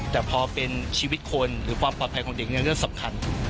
แต่พอเป็นชีวิตคนหรือความปลอดภัยของเด็กเนี่ยเรื่องสำคัญ